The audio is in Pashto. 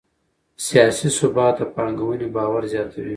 سیاسي ثبات د پانګونې باور زیاتوي